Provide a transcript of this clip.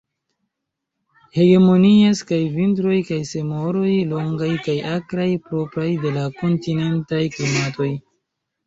Hegemonias kaj vintroj kaj someroj longaj kaj akraj, propraj de la kontinentaj klimatoj.